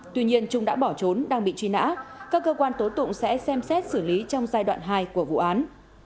tuy nhiên trung đã bỏ trốn đang bị truy nã các cơ quan tố tụng sẽ xem xét xử lý trong giai đoạn hai của vụ án